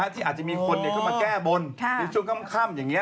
ที่อาจจะมีคนเข้ามาแก้บนในช่วงค่ำอย่างนี้